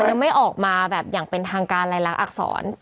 แต่มันยังไม่ออกมาแบบอย่างอย่างเป็นทางการลายลักษณ์อะอักษร